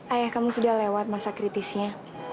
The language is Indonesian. ayah kamu sudah lewat masa kritisnya